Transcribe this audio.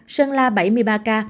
sơn la bảy mươi ba ca